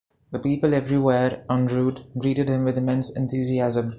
The people everywhere "en route" greeted him with immense enthusiasm.